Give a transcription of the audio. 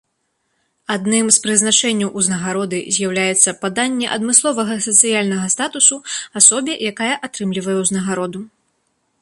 Адным з прызначэнняў узнагароды з'яўляецца паданне адмысловага сацыяльнага статусу асобе, якая атрымлівае ўзнагароду.